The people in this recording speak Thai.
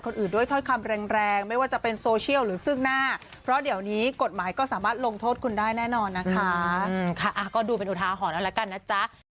อื่นด้วยถ้อยคำแรงแรงไม่ว่าจะเป็นโซเชียลหรือซึ่งหน้าเพราะเดี๋ยวนี้กฎหมายก็สามารถลงโทษคุณได้แน่นอนนะคะค่ะก็ดูเป็นอุทาหรณ์เอาละกันนะจ๊ะ